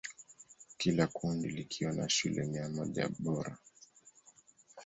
Kila kundi likiwa na shule mia moja bora.